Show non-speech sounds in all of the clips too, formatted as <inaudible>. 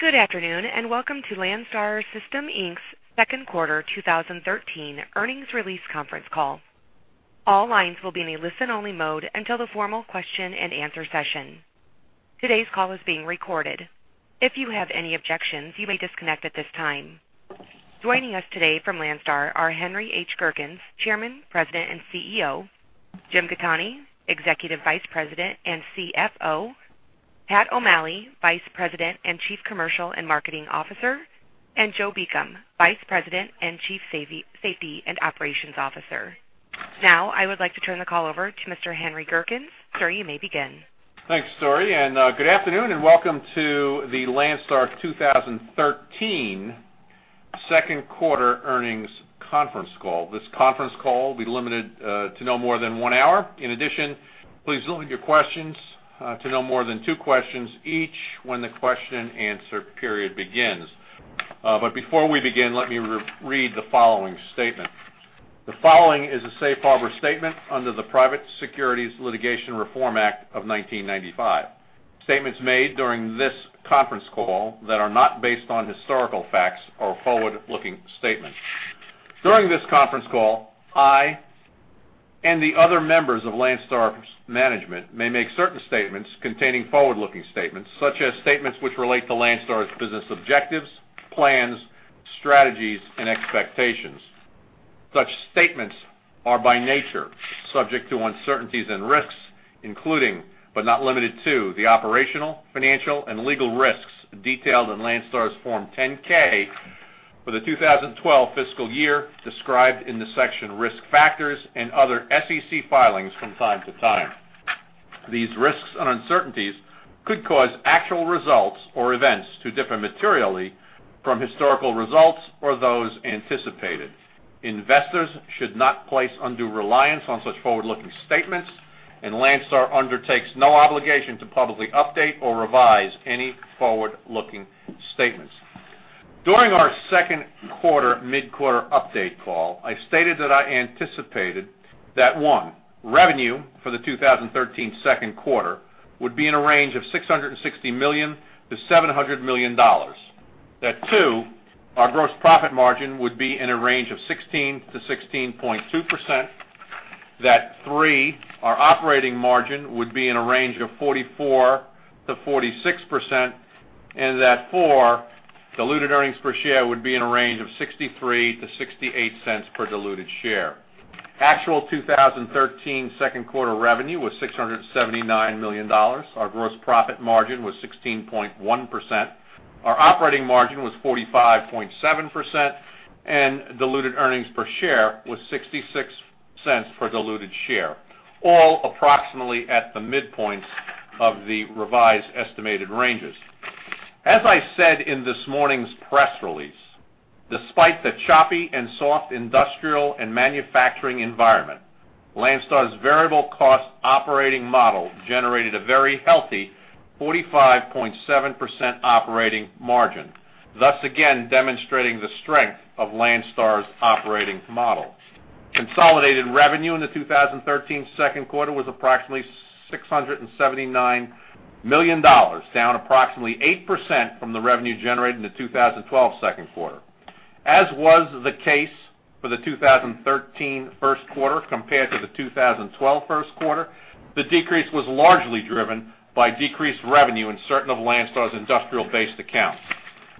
Good afternoon, and welcome to Landstar System, Inc.'s Second Quarter 2013 Earnings Release Conference Call. All lines will be in a listen-only mode until the formal question-and-answer session. Today's call is being recorded. If you have any objections, you may disconnect at this time. Joining us today from Landstar are Henry Gerkens, Chairman, President, and CEO, Jim Gattoni, Executive Vice President and CFO, Pat O'Malley, Vice President and Chief Commercial and Marketing Officer, and Joe Beacom, Vice President and Chief Safety and Operations Officer. Now, I would like to turn the call over to Mr. Henry Gerkens. Sir, you may begin. Thanks, Dori, and good afternoon and welcome to the Landstar 2013 Second Quarter Earnings Conference Call. This conference call will be limited to no more than one hour. In addition, please limit your questions to no more than two questions each when the question-and-answer period begins. Before we begin, let me re-read the following statement. The following is a safe harbor statement under the Private Securities Litigation Reform Act of 1995. Statements made during this conference call that are not based on historical facts or forward-looking statements. During this conference call, I and the other members of Landstar's management may make certain statements containing forward-looking statements, such as statements which relate to Landstar's business objectives, plans, strategies, and expectations. Such statements are by nature subject to uncertainties and risks, including, but not limited to, the operational, financial, and legal risks detailed in Landstar's Form 10-K for the 2012 fiscal year, described in the section Risk Factors and other SEC filings from time to time. These risks and uncertainties could cause actual results or events to differ materially from historical results or those anticipated. Investors should not place undue reliance on such forward-looking statements, and Landstar undertakes no obligation to publicly update or revise any forward-looking statements. During our second quarter mid-quarter update call, I stated that I anticipated that, one, revenue for the 2013 second quarter would be in a range of $660 million-$700 million. That, two, our gross profit margin would be in a range of 16%-16.2%. That, three, our operating margin would be in a range of 44%-46%, and that, four, diluted earnings per share would be in a range of $0.63-$0.68 per diluted share. Actual 2013 second quarter revenue was $679 million. Our gross profit margin was 16.1%, our operating margin was 45.7%, and diluted earnings per share was $0.66 per diluted share, all approximately at the midpoints of the revised estimated ranges. As I said in this morning's press release, despite the choppy and soft industrial and manufacturing environment, Landstar's variable cost operating model generated a very healthy 45.7% operating margin, thus again demonstrating the strength of Landstar's operating model. Consolidated revenue in the 2013 second quarter was approximately $679 million, down approximately 8% from the revenue generated in the 2012 second quarter. As was the case for the 2013 first quarter compared to the 2012 first quarter, the decrease was largely driven by decreased revenue in certain of Landstar's industrial-based accounts.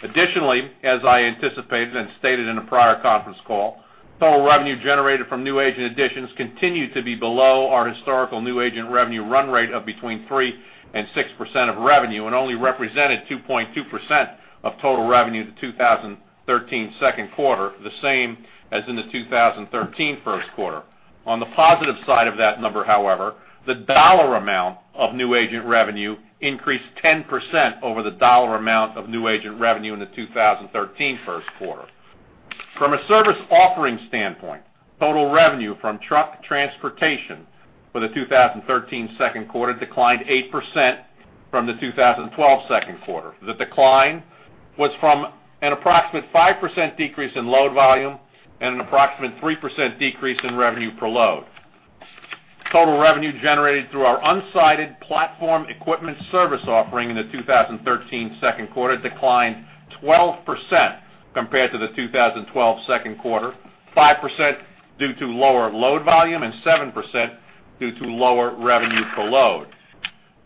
Additionally, as I anticipated and stated in a prior conference call, total revenue generated from new agent additions continued to be below our historical new agent revenue run rate of between 3% and 6% of revenue, and only represented 2.2% of total revenue in the 2013 second quarter, the same as in the 2013 first quarter. On the positive side of that number, however, the dollar amount of new agent revenue increased 10% over the dollar amount of new agent revenue in the 2013 first quarter. From a service offering standpoint, total revenue from truck transportation for the 2013 second quarter declined 8% from the 2012 second quarter. The decline was from an approximate 5% decrease in load volume and an approximate 3% decrease in revenue per load. Total revenue generated through our unsided platform equipment service offering in the 2013 second quarter declined 12% compared to the 2012 second quarter, 5% due to lower load volume and 7% due to lower revenue per load.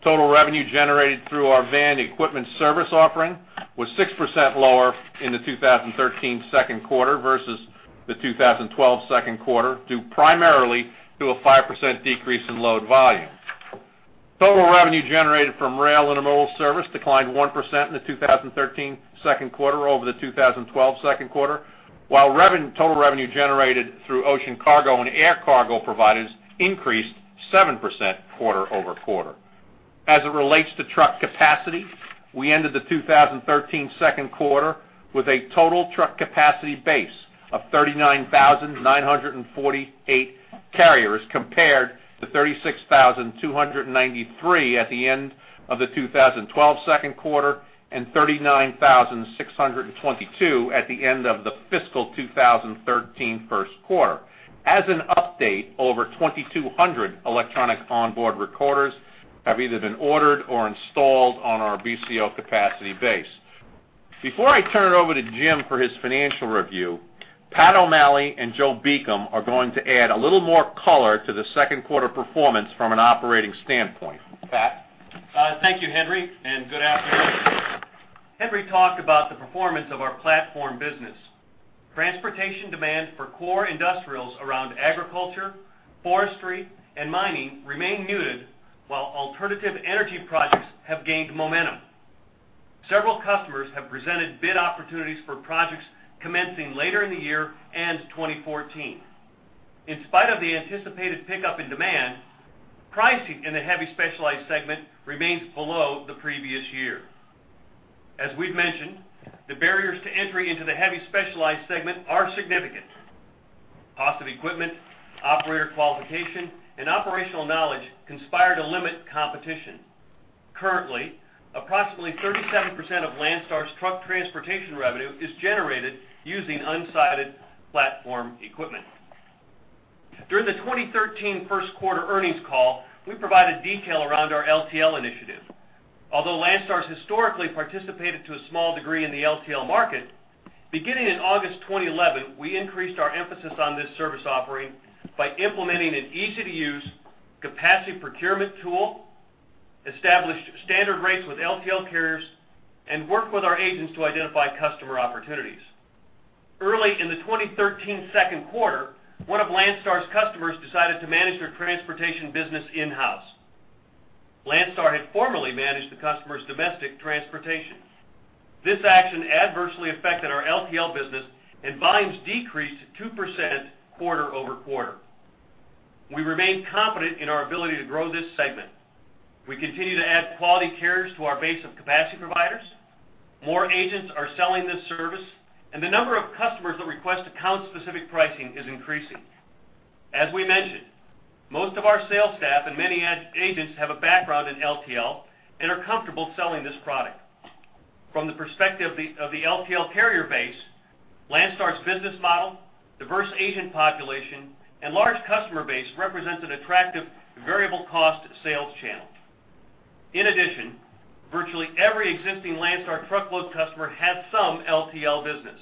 Total revenue generated through our van equipment service offering was 6% lower in the 2013 second quarter versus the 2012 second quarter, due primarily to a 5% decrease in load volume. Total revenue generated from rail intermodal service declined 1% in the 2013 second quarter over the 2012 second quarter, while total revenue generated through ocean cargo and air cargo providers increased 7% quarter-over-quarter. As it relates to truck capacity, we ended the 2013 second quarter with a total truck capacity base of 39,948 carriers, compared to 36,293 at the end of the 2012 second quarter and 39,622 at the end of the fiscal 2013 first quarter. As an update, over 2,200 electronic onboard recorders have either been ordered or installed on our BCO capacity base. Before I turn it over to Jim for his financial review, Pat O'Malley and Joe Beacom are going to add a little more color to the second quarter performance from an operating standpoint. Pat? Thank you, Henry, and good afternoon. Henry talked about the performance of our platform business. Transportation demand for core industrials around agriculture, forestry, and mining remain muted, while alternative energy projects have gained momentum. Several customers have presented bid opportunities for projects commencing later in the year and 2014. In spite of the anticipated pickup in demand, pricing in the heavy specialized segment remains below the previous year. As we've mentioned, the barriers to entry into the heavy specialized segment are significant. Cost of equipment, operator qualification, and operational knowledge conspire to limit competition. Currently, approximately 37% of Landstar's truck transportation revenue is generated using unsighted platform equipment. During the 2013 first quarter earnings call, we provided detail around our LTL initiative. Although Landstar has historically participated to a small degree in the LTL market, beginning in August 2011, we increased our emphasis on this service offering by implementing an easy-to-use capacity procurement tool, established standard rates with LTL carriers, and worked with our agents to identify customer opportunities. Early in the 2013 second quarter, one of Landstar's customers decided to manage their transportation business in-house. Landstar had formerly managed the customer's domestic transportation. This action adversely affected our LTL business, and volumes decreased 2% quarter-over-quarter. We remain confident in our ability to grow this segment. We continue to add quality carriers to our base of capacity providers. More agents are selling this service, and the number of customers that request account-specific pricing is increasing. As we mentioned, most of our sales staff and many agents have a background in LTL and are comfortable selling this product. From the perspective of the LTL carrier base, Landstar's business model, diverse agent population, and large customer base represents an attractive variable cost sales channel. In addition, virtually every existing Landstar truckload customer has some LTL business.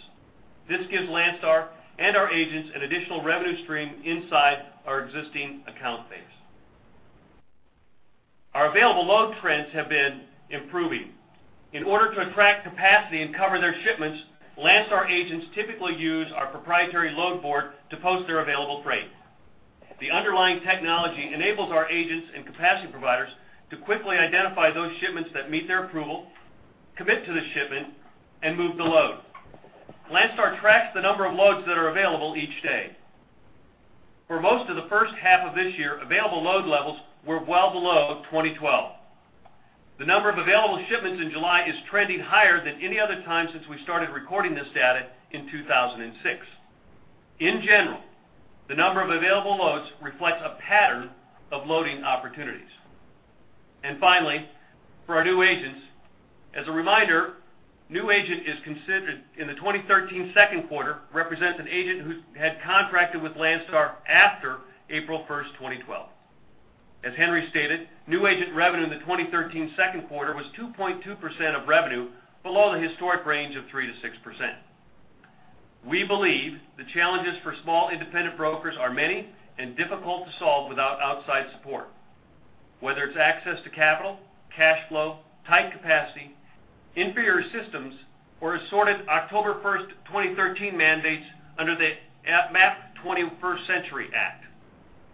This gives Landstar and our agents an additional revenue stream inside our existing account base. Our available load trends have been improving. In order to attract capacity and cover their shipments, Landstar agents typically use our proprietary load board to post their available freight. The underlying technology enables our agents and capacity providers to quickly identify those shipments that meet their approval, commit to the shipment, and move the load. Landstar tracks the number of loads that are available each day. For most of the first half of this year, available load levels were well below 2012. The number of available shipments in July is trending higher than any other time since we started recording this data in 2006. In general, the number of available loads reflects a pattern of loading opportunities. And finally, for our new agents, as a reminder, new agent is considered in the 2013 second quarter, represents an agent who had contracted with Landstar after April 1st, 2012. As Henry stated, new agent revenue in the 2013 second quarter was 2.2% of revenue, below the historic range of 3%-6%. We believe the challenges for small independent brokers are many and difficult to solve without outside support, whether it's access to capital, cash flow, tight capacity, inferior systems, or assorted October 1st, 2013 mandates under the MAP-21.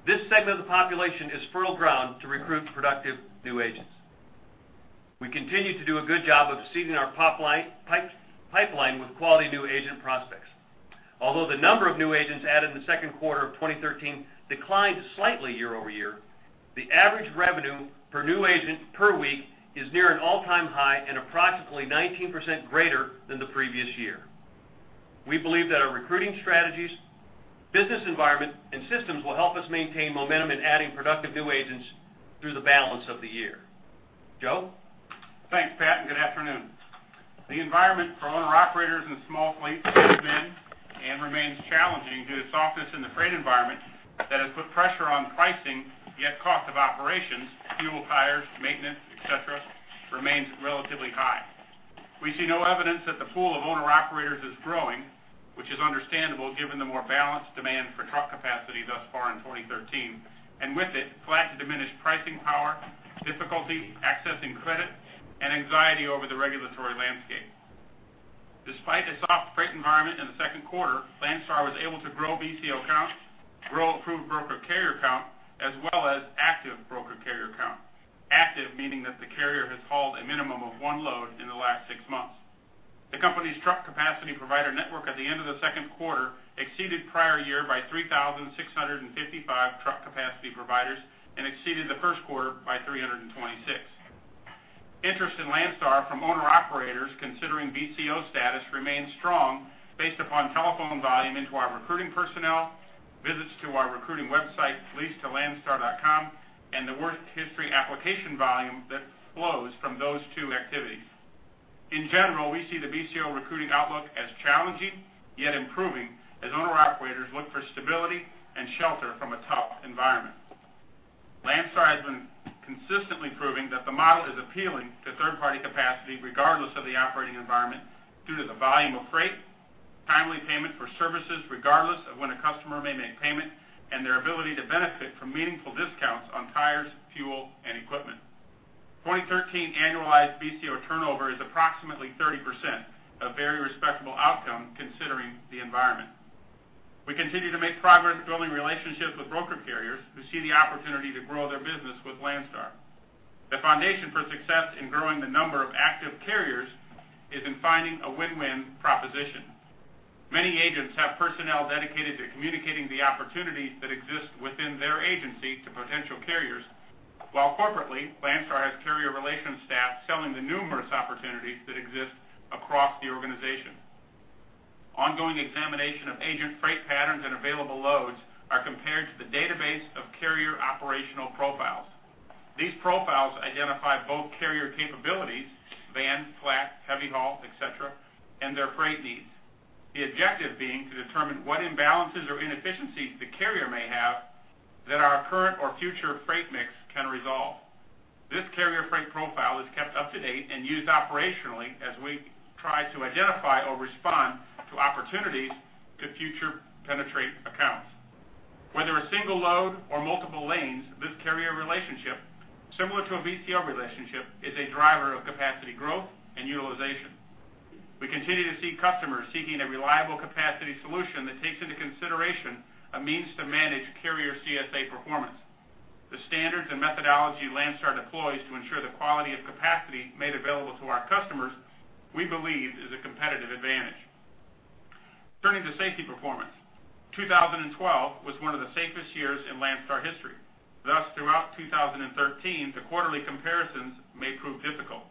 This segment of the population is fertile ground to recruit productive new agents. We continue to do a good job of seeding our pipeline with quality new agent prospects. Although the number of new agents added in the second quarter of 2013 declined slightly year-over-year, the average revenue per new agent per week is near an all-time high and approximately 19% greater than the previous year. We believe that our recruiting strategies, business environment, and systems will help us maintain momentum in adding productive new agents through the balance of the year. Joe? Thanks, Pat, and good afternoon. The environment for owner-operators and small fleets has been and remains challenging due to softness in the freight environment that has put pressure on pricing, yet cost of operations, fuel, tires, maintenance, et cetera, remains relatively high. We see no evidence that the pool of owner-operators is growing, which is understandable, given the more balanced demand for truck capacity thus far in 2013, and with it, flat to diminished pricing power, difficulty accessing credit, and anxiety over the regulatory landscape. Despite a soft freight environment in the second quarter, Landstar was able to grow BCO count, grow approved broker carrier count, as well as active broker carrier count. Active, meaning that the carrier has hauled a minimum of one load in the last six months. The company's truck capacity provider network at the end of the second quarter exceeded prior year by 3,655 truck capacity providers and exceeded the first quarter by 326. Interest in Landstar from owner-operators considering BCO status remains strong based upon telephone volume into our recruiting personnel, visits to our recruiting website, leasetolandstar.com, and the work history application volume that flows from those two activities. In general, we see the BCO recruiting outlook as challenging, yet improving, as owner-operators look for stability and shelter from a tough environment. Landstar has been consistently proving that the model is appealing to third-party capacity, regardless of the operating environment, due to the volume of freight, timely payment for services, regardless of when a customer may make payment, and their ability to benefit from meaningful discounts on tires, fuel, and equipment. 2013 annualized BCO turnover is approximately 30%, a very respectable outcome considering the environment. We continue to make progress building relationships with broker carriers who see the opportunity to grow their business with Landstar. The foundation for success in growing the number of active carriers is in finding a win-win proposition. Many agents have personnel dedicated to communicating the opportunities that exist within their agency to potential carriers, while corporately, Landstar has carrier relations staff selling the numerous opportunities that exist across the organization. Ongoing examination of agent freight patterns and available loads are compared to the database of carrier operational profiles. These profiles identify both carrier capabilities, van, flat, heavy haul, et cetera, and their freight needs. The objective being to determine what imbalances or inefficiencies the carrier may have that our current or future freight mix can resolve. This carrier freight profile is kept up to date and used operationally as we try to identify or respond to opportunities to further penetrate accounts. Whether a single load or multiple lanes, this carrier relationship, similar to a BCO relationship, is a driver of capacity growth and utilization. We continue to see customers seeking a reliable capacity solution that takes into consideration a means to manage carrier CSA performance. The standards and methodology Landstar deploys to ensure the quality of capacity made available to our customers, we believe, is a competitive advantage. Turning to safety performance. 2012 was one of the safest years in Landstar history. Thus, throughout 2013, the quarterly comparisons may prove difficult.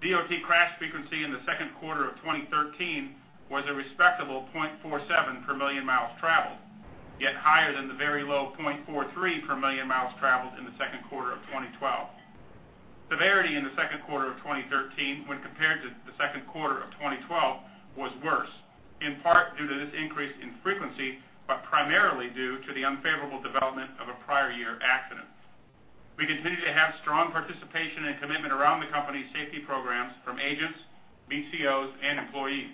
DOT crash frequency in the second quarter of 2013 was a respectable 0.47 per million miles traveled, yet higher than the very low 0.43 per million miles traveled in the second quarter of 2012. Severity in the second quarter of 2013, when compared to the second quarter of 2012, was worse, in part due to this increase in frequency, but primarily due to the unfavorable development of a prior year accident. We continue to have strong participation and commitment around the company's safety programs from agents, BCOs, and employees.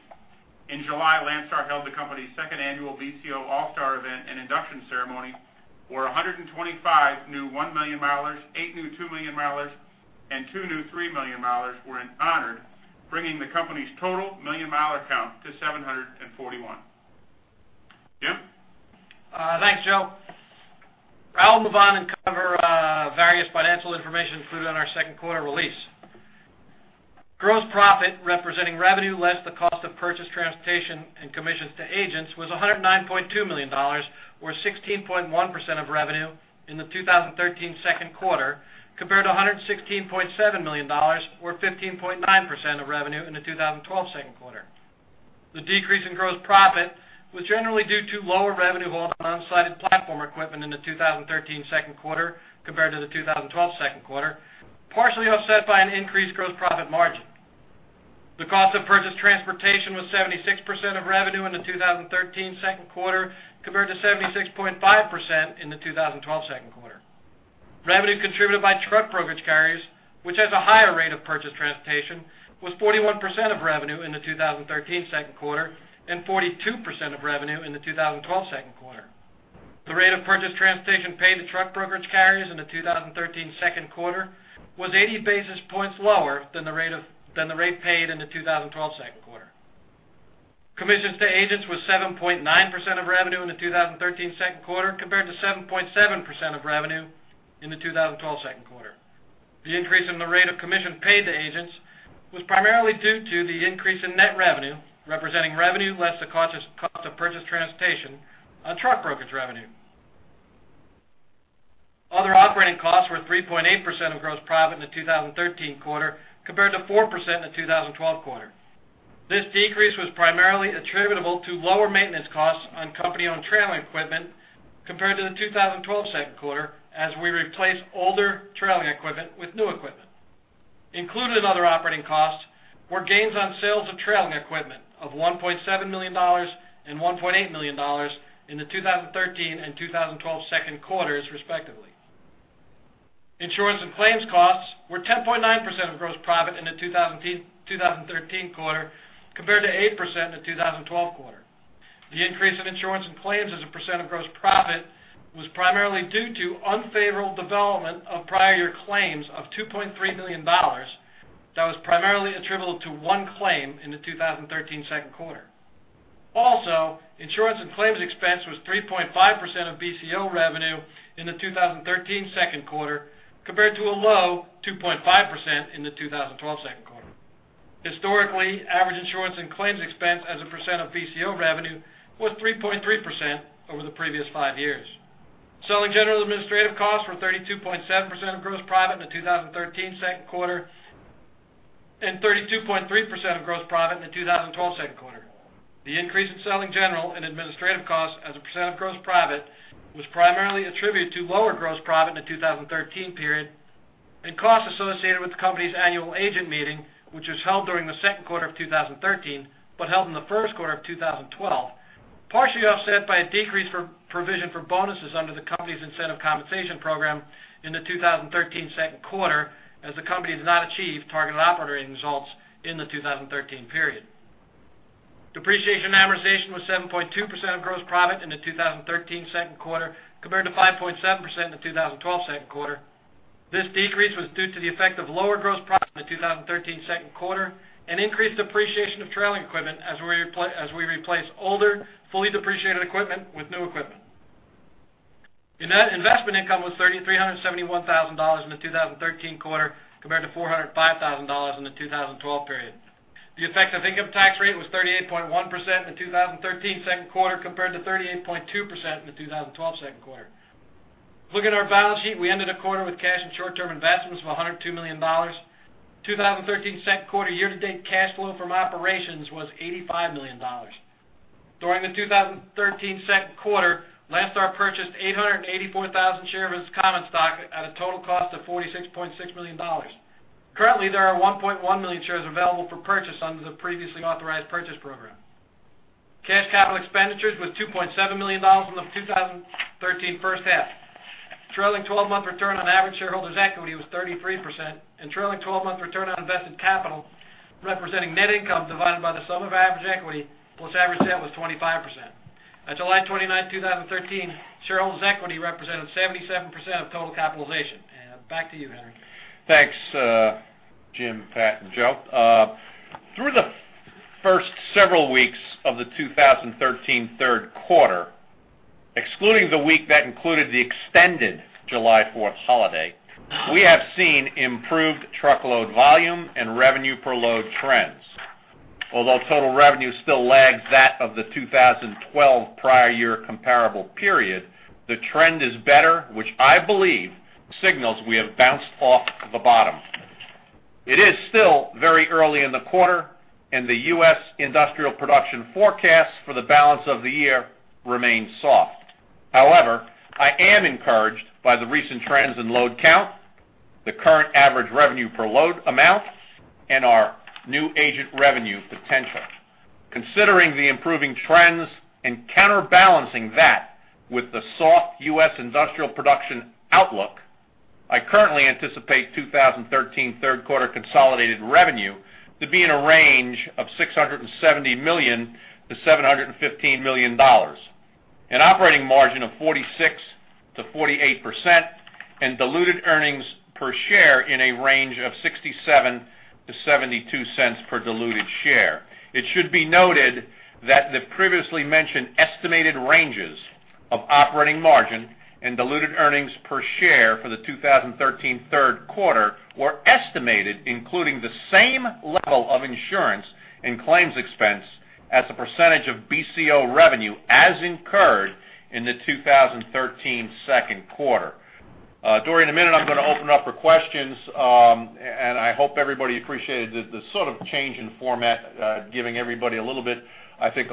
In July, Landstar held the company's second annual BCO All-Star event and induction ceremony, where 125 new 1 million milers, eight new 2 million milers, and two new 3 million milers were honored, bringing the company's total million-miler count to 741. Jim? Thanks, Joe. I'll move on and cover various financial information included on our second quarter release. Gross profit, representing revenue, less the cost of purchased transportation and commissions to agents, was $109.2 million, or 16.1% of revenue in the 2013 second quarter, compared to $116.7 million, or 15.9% of revenue in the 2012 second quarter. The decrease in gross profit was generally due to lower revenue on unsighted platform equipment in the 2013 second quarter compared to the 2012 second quarter, partially offset by an increased gross profit margin. The cost of purchased transportation was 76% of revenue in the 2013 second quarter, compared to 76.5% in the 2012 second quarter. Revenue contributed by truck brokerage carriers, which has a higher rate of purchased transportation, was 41% of revenue in the 2013 second quarter and 42% of revenue in the 2012 second quarter. The rate of purchased transportation paid to truck brokerage carriers in the 2013 second quarter was 80 basis points lower than the rate paid in the 2012 second quarter. Commissions to agents was 7.9% of revenue in the 2013 second quarter, compared to 7.7% of revenue in the 2012 second quarter. The increase in the rate of commission paid to agents was primarily due to the increase in net revenue, representing revenue, less the cost of purchased transportation on truck brokerage revenue. Other operating costs were 3.8% of gross profit in the 2013 quarter, compared to 4% in the 2012 quarter. This decrease was primarily attributable to lower maintenance costs on company-owned trailing equipment compared to the 2012 second quarter as we replaced older trailing equipment with new equipment. Included in other operating costs were gains on sales of trailing equipment of $1.7 million and $1.8 million in the 2013 and 2012 second quarters, respectively. Insurance and claims costs were 10.9% of gross profit in the 2013 quarter, compared to 8% in the 2012 quarter. The increase in insurance and claims as a percent of gross profit was primarily due to unfavorable development of prior claims of $2.3 million. That was primarily attributable to one claim in the 2013 second quarter. Also, insurance and claims expense was 3.5% of BCO revenue in the 2013 second quarter, compared to a low 2.5% in the 2012 second quarter. Historically, average insurance and claims expense as a percent of BCO revenue was 3.3% over the previous five years. Selling general administrative costs were 32.7% of gross profit in the 2013 second quarter, and 32.3% of gross profit in the 2012 second quarter. The increase in selling, general, and administrative costs as a percent of gross profit was primarily attributed to lower gross profit in the 2013 period and costs associated with the company's annual agent meeting, which was held during the second quarter of 2013, but held in the first quarter of 2012, partially offset by a decrease for provision for bonuses under the company's incentive compensation program in the 2013 second quarter, as the company did not achieve targeted operating results in the 2013 period. Depreciation and amortization was 7.2% of gross profit in the 2013 second quarter, compared to 5.7% in the 2012 second quarter. This decrease was due to the effect of lower gross profit in the 2013 second quarter and increased depreciation of trailing equipment as we replace older, fully depreciated equipment with new equipment. In net, investment income was $3,371,000 in the 2013 quarter, compared to $405,000 in the 2012 period. The effective income tax rate was 38.1% in the 2013 second quarter, compared to 38.2% in the 2012 second quarter. Looking at our balance sheet, we ended the quarter with cash and short-term investments of $102 million. 2013 second quarter year-to-date cash flow from operations was $85 million. During the 2013 second quarter, Landstar purchased 884,000 shares of its common stock at a total cost of $46.6 million. Currently, there are 1.1 million shares available for purchase under the previously authorized purchase program. Cash capital expenditures was $2.7 million in the 2013 first half. Trailing 12-month return on average shareholders' equity was 33%, and trailing 12-month return on invested capital, representing net income divided by the sum of average equity plus average debt, was 25%. As of July 29th, 2013, shareholders' equity represented 77% of total capitalization. Back to you, Henry. Thanks, Jim, Pat, and Joe. Through the first several weeks of the 2013 third quarter, excluding the week that included the extended July Fourth holiday, we have seen improved truckload volume and revenue per load trends. Although total revenue still lags that of the 2012 prior year comparable period, the trend is better, which I believe signals we have bounced off the bottom. It is still very early in the quarter, and the U.S. industrial production forecast for the balance of the year remains soft. However, I am encouraged by the recent trends in load count, the current average revenue per load amount, and our new agent revenue potential. Considering the improving trends and counterbalancing that with the soft U.S. industrial production outlook, I currently anticipate 2013 third quarter consolidated revenue to be in a range of $670 million-$715 million, an operating margin of 46%-48%, and diluted earnings per share in a range of $0.67-$0.72 per diluted share. It should be noted that the previously mentioned estimated ranges of operating margin and diluted earnings per share for the 2013 third quarter were estimated, including the same level of insurance and claims expense as a percentage of BCO revenue as incurred in the 2013 second quarter. Dori, in a minute, I'm going to open up for questions, and I hope everybody appreciated the sort of change in format, giving everybody a little bit, I think,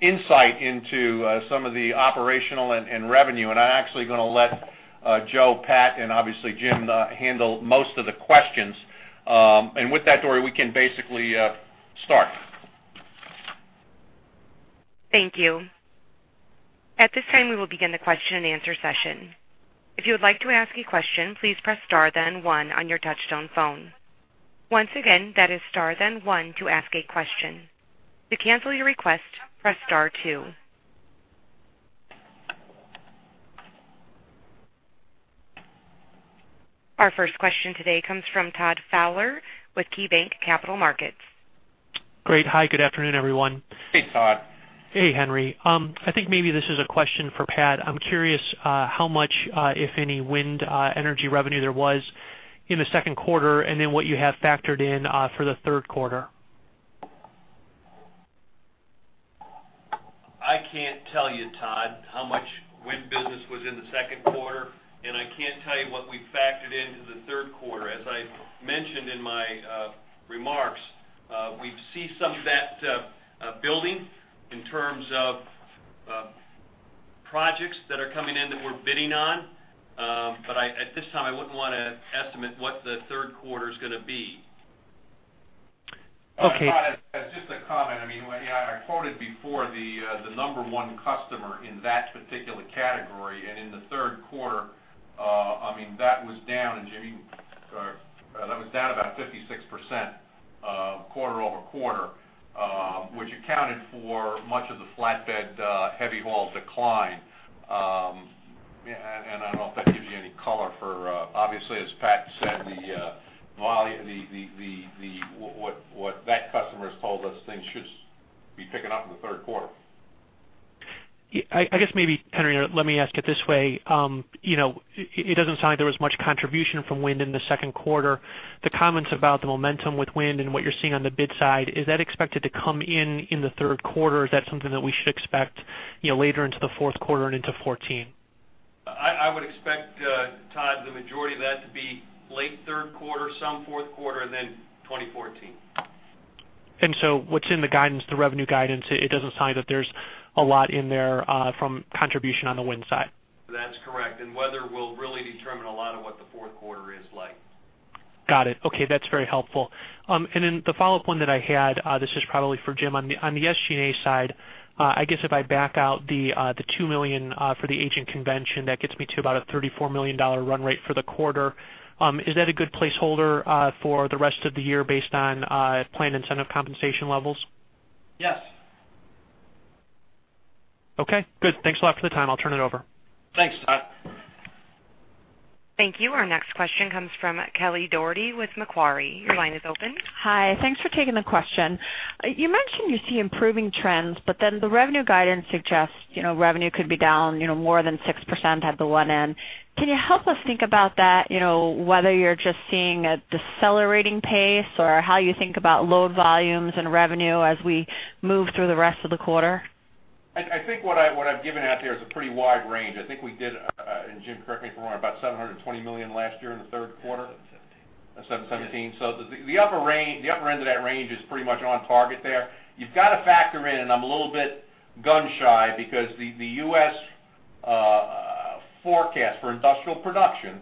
insight into some of the operational and revenue. And I'm actually going to let Joe, Pat, and obviously Jim handle most of the questions. And with that, Dori, we can basically start. Thank you. At this time, we will begin the question-and-answer session. If you would like to ask a question, please press star then one on your touchtone phone. Once again, that is star, then one to ask a question. To cancel your request, press star two. Our first question today comes from Todd Fowler with KeyBanc Capital Markets. Great. Hi, good afternoon, everyone. Hey, Todd. Hey, Henry. I think maybe this is a question for Pat. I'm curious, how much, if any, wind, energy revenue there was in the second quarter, and then what you have factored in, for the third quarter? I can't tell you, Todd, how much wind business was in the second quarter, and I can't tell you what we've factored into the third quarter. As I mentioned in my remarks, we see some of that building in terms of projects that are coming in that we're bidding on. But at this time, I wouldn't want to estimate what the third quarter is going to be. Okay Todd, as just a comment, I mean, I quoted before the number one customer in that particular category, and in the third quarter, I mean, that was down, and Jimmy, that was down about 56%, quarter-over-quarter, which accounted for much of the flatbed heavy haul decline. And I don't know if that gives you any color for, obviously, as Pat said, the volume, what that customer has told us, things should be picking up in the third quarter. Yeah, I guess maybe, Henry, let me ask it this way. You know, it doesn't sound like there was much contribution from wind in the second quarter. The comments about the momentum with wind and what you're seeing on the bid side, is that expected to come in in the third quarter, or is that something that we should expect, you know, later into the fourth quarter and into 2014? I would expect, Todd, the majority of that to be late third quarter, some fourth quarter, and then 2014. So what's in the guidance, the revenue guidance, it doesn't say that there's a lot in there, from contribution on the wind side? That's correct. Weather will really determine a lot of what the fourth quarter is like. Got it. Okay, that's very helpful. And then the follow-up one that I had, this is probably for Jim. On the SG&A side, I guess, if I back out the $2 million for the agent convention, that gets me to about a $34 million run rate for the quarter. Is that a good placeholder for the rest of the year based on planned incentive compensation levels? Yes. Okay, good. Thanks a lot for the time. I'll turn it over. Thanks, Todd. Thank you. Our next question comes from Kelly Dougherty with Macquarie. Your line is open. Hi. Thanks for taking the question. You mentioned you see improving trends, but then the revenue guidance suggests, you know, revenue could be down, you know, more than 6% at the one end. Can you help us think about that, you know, whether you're just seeing a decelerating pace or how you think about load volumes and revenue as we move through the rest of the quarter? I think what I've given out there is a pretty wide range. I think we did, and Jim, correct me if I'm wrong, about $720 million last year in the third quarter? $717 million. $717 million. So the upper end of that range is pretty much on target there. You've got to factor in, and I'm a little bit gun-shy because the U.S. forecast for industrial production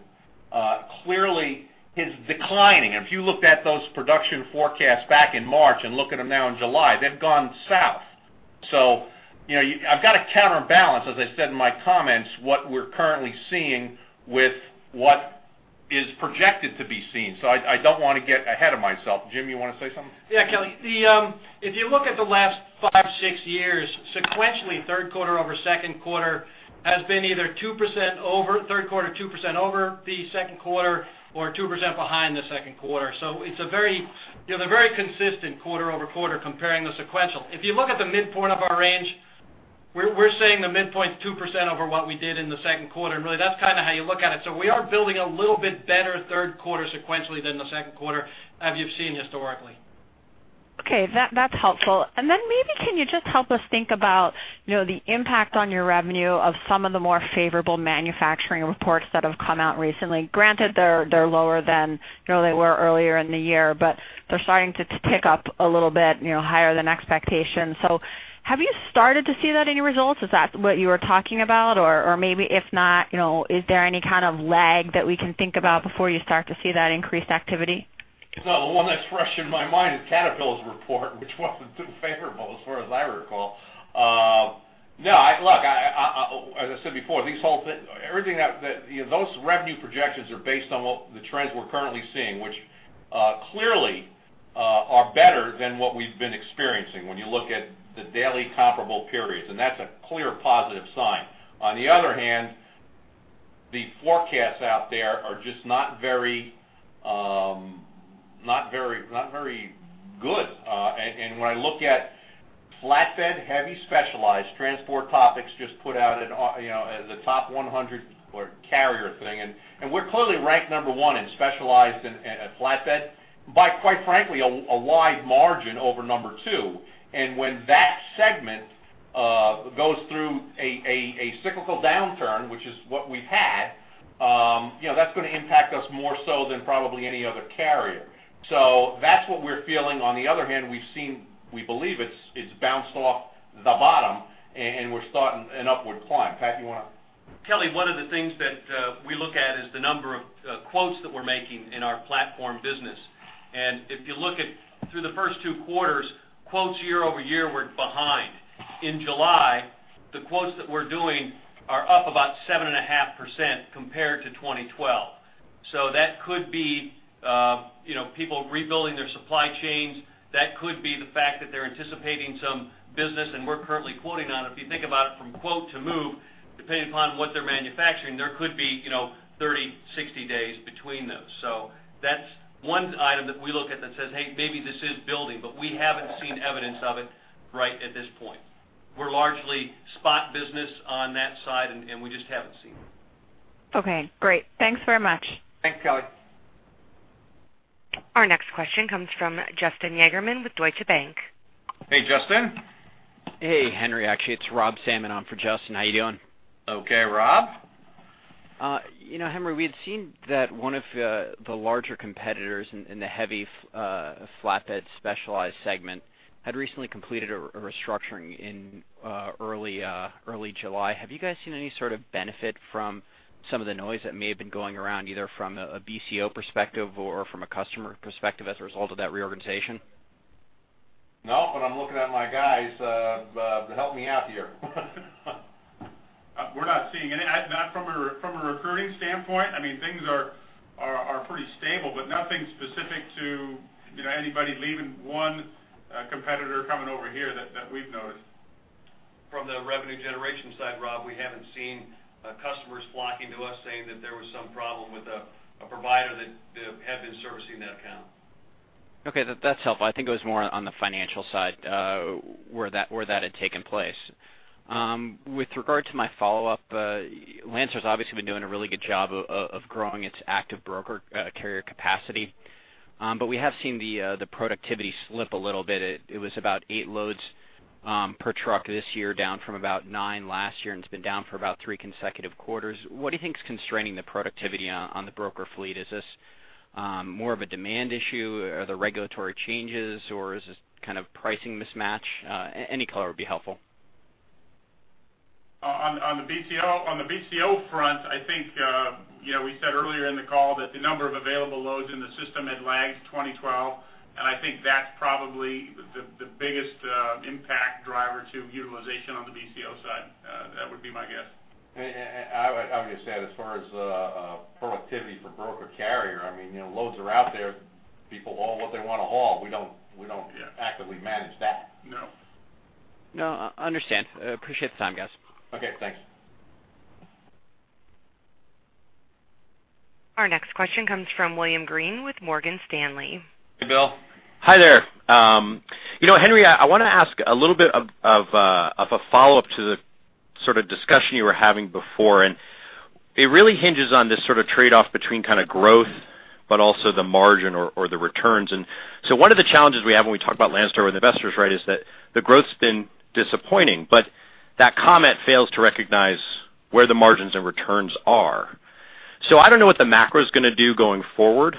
clearly is declining. If you looked at those production forecasts back in March and look at them now in July, they've gone south. So you know, I've got to counterbalance, as I said in my comments, what we're currently seeing with what is projected to be seen. So I don't want to get ahead of myself. Jim, you want to say something? Yeah, Kelly. The, if you look at the last five, six years, sequentially, third quarter over second quarter has been either 2% over, third quarter, 2% over the second quarter or 2% behind the second quarter. So it's a very, you know, they're very consistent quarter-over-quarter, comparing the sequential. If you look at the midpoint of our range, we're saying the midpoint is 2% over what we did in the second quarter, and really, that's kind of how you look at it. So we are building a little bit better third quarter sequentially than the second quarter, as you've seen historically. Okay, that, that's helpful. And then maybe can you just help us think about, you know, the impact on your revenue of some of the more favorable manufacturing reports that have come out recently? Granted, they're, they're lower than, you know, they were earlier in the year, but they're starting to tick up a little bit, you know, higher than expectations. So have you started to see that in your results? Is that what you were talking about? Or, or maybe if not, you know, is there any kind of lag that we can think about before you start to see that increased activity? No. The one that's fresh in my mind is Caterpillar's report, which wasn't too favorable as far as I recall. No, look, as I said before, these whole everything that you know, those revenue projections are based on what the trends we're currently seeing, which clearly are better than what we've been experiencing when you look at the daily comparable periods, and that's a clear positive sign. On the other hand, the forecasts out there are just not very, not very, not very good. And when I look at flatbed, heavy specialized, Transport Topics just put out an you know, the top 100 carrier thing, and we're clearly ranked number one in specialized and flatbed, by quite frankly, a wide margin over number two. And when that segment goes through a cyclical downturn, which is what we've had, you know, that's going to impact us more so than probably any other carrier. So that's what we're feeling. On the other hand, we've seen, we believe it's bounced off the bottom, and we're starting an upward climb. Pat, you want to? Kelly, one of the things that we look at is the number of quotes that we're making in our platform business. And if you look at through the first two quarters, quotes year-over-year were behind. In July, the quotes that we're doing are up about 7.5% compared to 2012. So that could be, you know, people rebuilding their supply chains. That could be the fact that they're anticipating some business, and we're currently quoting on. If you think about it from quote to move, depending upon what they're manufacturing, there could be, you know, 30, 60 days between those. So that's one item that we look at that says, "Hey, maybe this is building," but we haven't seen evidence of it right at this point. We're largely spot business on that side, and we just haven't seen it. Okay, great. Thanks very much. Thanks, Kelly. Our next question comes from Justin Yagerman with Deutsche Bank. Hey, Justin. Hey, Henry. Actually, it's Rob Salmon on for Justin. How are you doing? Okay, Rob. You know, Henry, we had seen that one of the larger competitors in the heavy flatbed specialized segment had recently completed a restructuring in early July. Have you guys seen any sort of benefit from some of the noise that may have been going around, either from a BCO perspective or from a customer perspective as a result of that reorganization? No, but I'm looking at my guys to help me out here. We're not seeing any, not from a recruiting standpoint. I mean, things are pretty stable, but nothing specific to, you know, anybody leaving one competitor coming over here that we've noticed. From the revenue generation side, Rob, we haven't seen customers flocking to us, saying that there was some problem with a provider that had been servicing that account. Okay, that, that's helpful. I think it was more on the financial side, where that, where that had taken place. With regard to my follow-up, Landstar's obviously been doing a really good job of growing its active broker carrier capacity, but we have seen the productivity slip a little bit. It was about eight loads per truck this year, down from about nine last year, and it's been down for about three consecutive quarters. What do you think is constraining the productivity on the broker fleet? Is this more of a demand issue? Are there regulatory changes, or is this kind of pricing mismatch? Any color would be helpful. On the BCO front, I think, you know, we said earlier in the call that the number of available loads in the system had lagged 2012, and I think that's probably the biggest impact driver to utilization on the BCO side. That would be my guess. And I would just add, as far as productivity for broker carrier, I mean, you know, loads are out there. People haul what they want to haul. We don't actively manage that. No. No, I understand. I appreciate the time, guys. Okay, thanks. Our next question comes from William Greene with Morgan Stanley. Hey, Bill. Hi there. You know, Henry, I want to ask a little bit of a follow-up to the sort of discussion you were having before, and it really hinges on this sort of trade-off between kind of growth, but also the margin or the returns. So one of the challenges we have when we talk about Landstar with investors, right, is that the growth's been disappointing, but that comment fails to recognize where the margins and returns are. So I don't know what the macro is going to do going forward,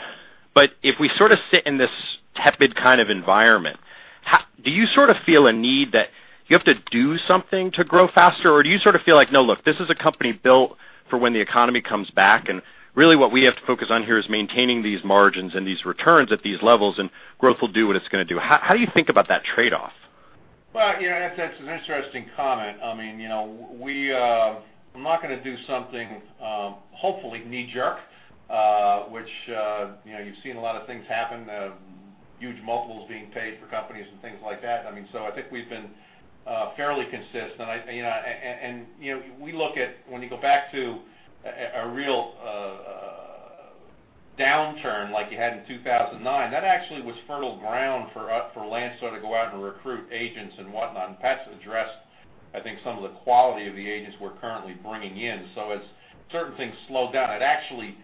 but if we sort of sit in this tepid kind of environment, how do you sort of feel a need that you have to do something to grow faster? Or do you sort of feel like, no, look, this is a company built for when the economy comes back, and really what we have to focus on here is maintaining these margins and these returns at these levels, and growth will do what it's going to do. How, how do you think about that trade-off? Well, you know, that's an interesting comment. I mean, you know, we, I'm not going to do something, hopefully, knee-jerk, which, you know, you've seen a lot of things happen, huge multiples being paid for companies and things like that. I mean, so I think we've been, fairly consistent. I, you know, and, and, you know, we look at when you go back to a real downturn like you had in 2009, that actually was fertile ground for us, for Landstar to go out and recruit agents and whatnot. And Pat's addressed, I think, some of the quality of the agents we're currently bringing in. So as certain things slow down, it actually,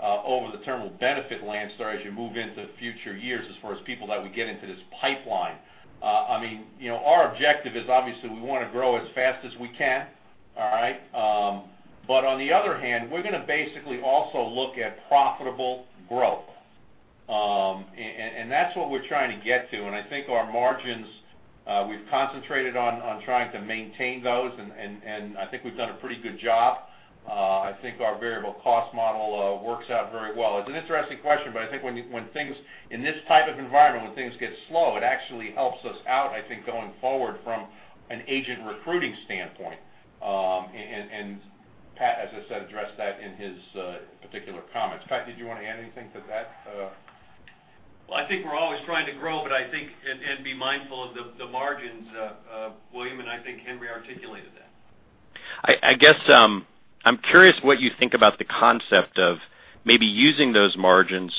over the term, will benefit Landstar as you move into future years as far as people that we get into this pipeline. I mean, you know, our objective is, obviously, we want to grow as fast as we can. All right? But on the other hand, we're going to basically also look at profitable growth. And that's what we're trying to get to, and I think our margins, we've concentrated on trying to maintain those, and I think we've done a pretty good job. I think our variable cost model works out very well. It's an interesting question, but I think when you, when things, in this type of environment, when things get slow, it actually helps us out, I think, going forward from an agent recruiting standpoint. And Pat, as I said, addressed that in his particular comments. Pat, did you want to add anything to that? Well, I think we're always trying to grow, but I think and be mindful of the margins, William, and I think Henry articulated that. I guess, I'm curious what you think about the concept of maybe using those margins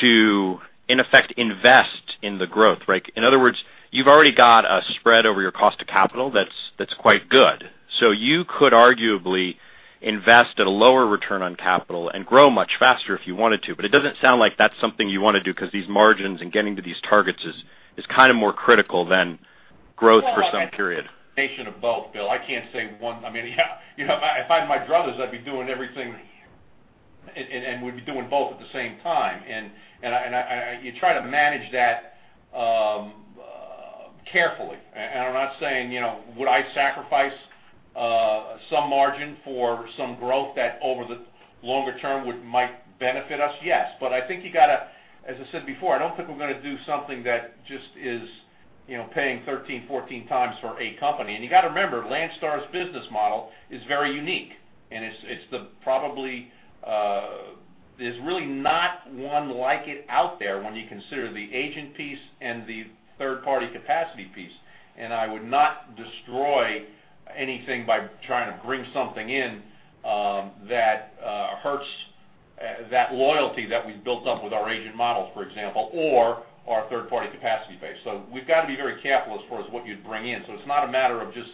to, in effect, invest in the growth, right? In other words, you've already got a spread over your cost of capital that's quite good. So you could arguably invest at a lower return on capital and grow much faster if you wanted to. But it doesn't sound like that's something you want to do, because these margins and getting to these targets is kind of more critical than growth for some period. <audio distortion> both, Bill, I can't say one. I mean, you know, if I had my druthers, I'd be doing everything and we'd be doing both at the same time. And I, you try to manage that carefully. And I'm not saying, you know, would I sacrifice some margin for some growth that over the longer term would might benefit us? Yes. But I think you got to, as I said before, I don't think we're going to do something that just is, you know, paying 13, 14 times for a company. And you got to remember, Landstar's business model is very unique, and it's probably, there's really not one like it out there when you consider the agent piece and the third-party capacity piece. I would not destroy anything by trying to bring something in that hurts that loyalty that we've built up with our agent models, for example, or our third-party capacity base. So we've got to be very careful as far as what you'd bring in. So it's not a matter of just,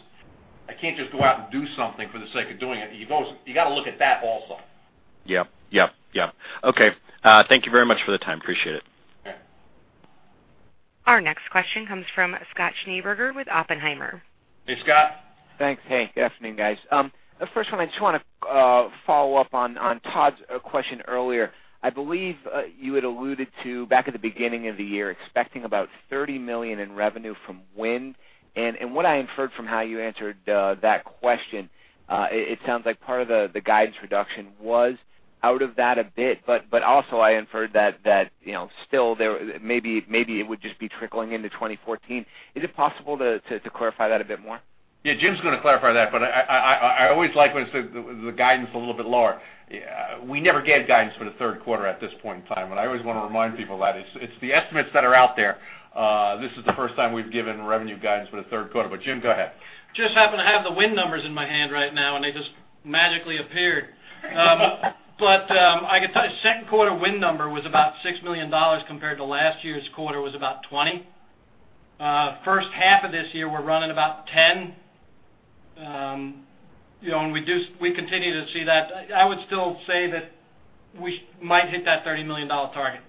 I can't just go out and do something for the sake of doing it. You go, you got to look at that also. Yep, yep, yep. Okay, thank you very much for the time. Appreciate it. Yeah. Our next question comes from Scott Schneeberger with Oppenheimer. Hey, Scott. Thanks. Hey, good evening, guys. First one, I just want to follow up on Todd's question earlier. I believe you had alluded to, back at the beginning of the year, expecting about $30 million in revenue from Wind. And what I inferred from how you answered that question, it sounds like part of the guidance reduction was out of that a bit, but also I inferred that, you know, still there, maybe it would just be trickling into 2014. Is it possible to clarify that a bit more? Yeah, Jim's going to clarify that, but I always like when the guidance a little bit lower. We never gave guidance for the third quarter at this point in time, and I always want to remind people that. It's the estimates that are out there. This is the first time we've given revenue guidance for the third quarter. But Jim, go ahead. just happen to have the Wind numbers in my hand right now, and they just magically appeared. I could tell you, second quarter Wind number was about $6 million, compared to last year's quarter was about $20 million. First half of this year, we're running about $10 million. You know, we continue to see that. I would still say that we might hit that $30 million target.